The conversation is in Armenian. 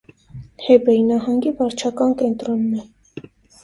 Հեբեյ նահանգի վարչական կենտրոնն է։